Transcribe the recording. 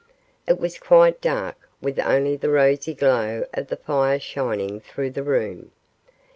It was quite dark, with only the rosy glow of the fire shining through the room.